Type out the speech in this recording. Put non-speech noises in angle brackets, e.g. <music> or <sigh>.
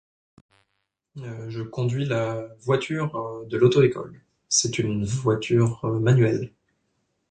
<hesitation> Je conduis la voiture <hesitation> de l'auto-école. C'est une voiture <hesitation> manuelle.